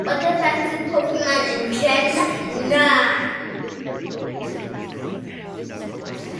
Italian architect Aristide Leonori designed a new Gothic Revival cathedral.